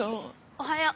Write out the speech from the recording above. おはよう。